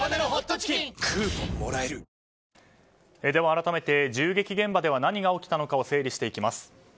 改めて銃撃現場では何が起きたのかを整理していきます。